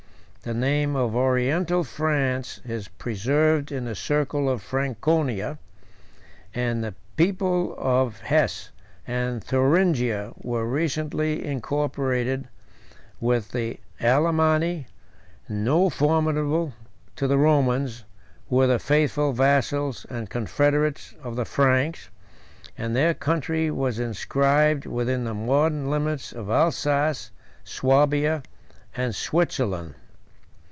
The name of Oriental France is preserved in the circle of Franconia; and the people of Hesse and Thuringia were recently incorporated with the victors, by the conformity of religion and government. The Alemanni, so formidable to the Romans, were the faithful vassals and confederates of the Franks; and their country was inscribed within the modern limits of Alsace, Swabia, and Switzerland.